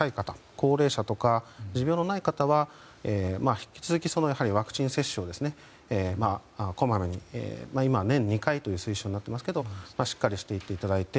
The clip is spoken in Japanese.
高齢者とか、持病のある方は引き続きワクチン接種をこまめに今は年に２回が推奨されていますけどもしっかりしていっていただいて。